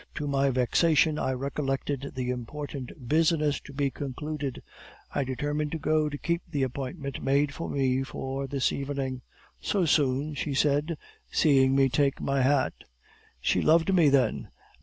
To my vexation, I recollected the important business to be concluded; I determined to go to keep the appointment made for me for this evening. "'So soon?' she said, seeing me take my hat. "She loved me, then!